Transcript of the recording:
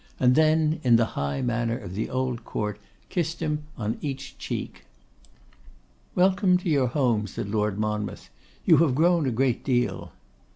and then, in the high manner of the old Court, kissed him on each cheek. 'Welcome to your home,' said Lord Monmouth. 'You have grown a great deal.